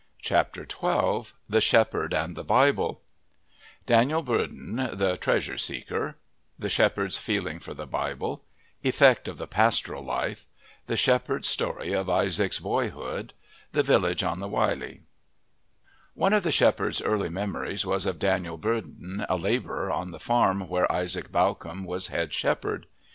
CHAPTER XII THE SHEPHERD AND THE BIBLE Dan'l Burdon, the treasure seeker The shepherd's feeling for the Bible Effect of the pastoral life The shepherd's story of Isaac's boyhood The village on the Wylye One of the shepherd's early memories was of Dan'l Burdon, a labourer on the farm where Isaac Bawcombe was head shepherd.